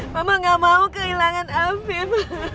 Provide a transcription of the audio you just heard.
mama gak mau kehilangan afif